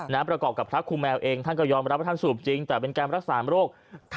ประกอบกับพระครูแมวเองท่านก็ยอมรับว่าท่านสูบจริงแต่เป็นการรักษาโรค